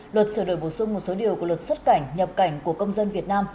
luật sửa đổi bổ sung một số điều của luật xuất cảnh nhập cảnh của công dân việt nam